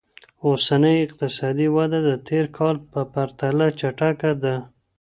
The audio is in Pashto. اوسنۍ اقتصادي وده د تير کال په پرتله چټکه ده.